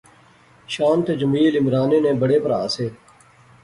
شان تے جمیل عمرانے نے بڑے پرہا سے